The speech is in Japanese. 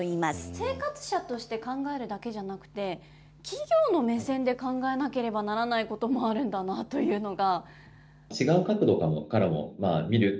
生活者として考えるだけじゃなくて、企業の目線で考えなければならないこともあるんだなというのが。